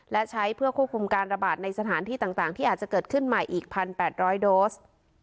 และใช้เพื่อควบคุมการระบาดในสถานที่ต่างที่อาจจะเกิดขึ้นใหม่อีก๑๘๐๐โดส